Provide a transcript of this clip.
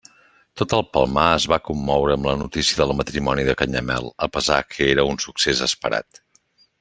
Tot el Palmar es va commoure amb la notícia del matrimoni de Canyamel a pesar que era un succés esperat.